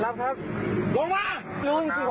รถแจ๊บดีมารถแจ๊บ